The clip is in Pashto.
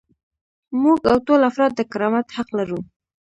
موږ او ټول افراد د کرامت حق لرو.